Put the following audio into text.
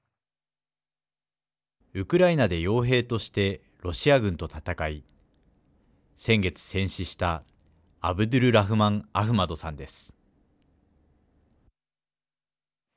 ウクライナでよう兵としてロシア軍と戦い先月戦死したアブドゥルラフマン・アフマドさんです。